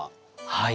はい。